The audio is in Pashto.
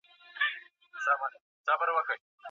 څېړونکي باید په پوره ایماندارۍ خپل کار ترسره کړي.